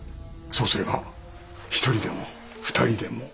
そうすれば１人でも２人でも。